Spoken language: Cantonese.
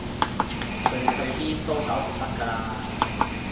佢去邊都走唔甩㗎啦